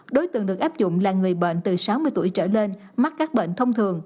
đối tượng được áp dụng là người bệnh từ sáu mươi tuổi trở lên mắc các bệnh thông thường